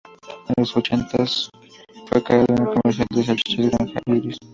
En los ochentas fue cara de un comercial de salchichas "Granja Iris".